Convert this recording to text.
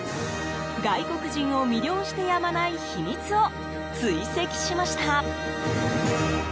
外国人を魅了してやまない秘密を追跡しました。